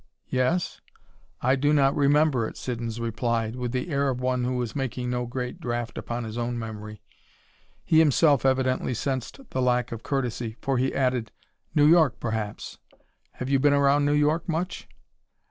"Yes? I do not remember it," Siddons replied, with the air of one who is making no great draft upon his own memory. He himself evidently sensed the lack of courtesy, for he added, "New York, perhaps. Have you been around New York much?"